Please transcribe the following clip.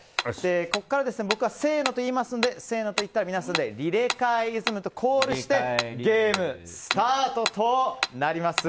ここから僕がせーのと言いますので皆さんでリレカエイズムとコールしてゲームスタートとなります。